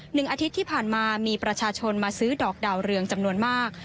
หนึ่งอาทิตย์ที่ผ่านมามีประชาชนมาซื้อดอกดาวเรืองจำนวนมาก